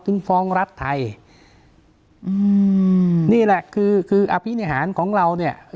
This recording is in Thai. ฟ้องรัฐไทยอืมนี่แหละคือคืออภินิหารของเราเนี่ย